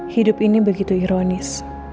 hidup ini begitu ironis